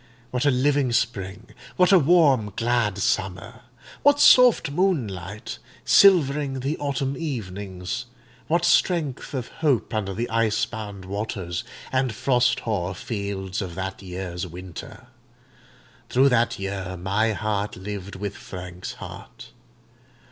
What a living spring—what a warm, glad summer—what soft moonlight, silvering the autumn evenings—what strength of hope under the ice bound waters and frost hoar fields of that year's winter! Through that year my heart lived with Frank's heart.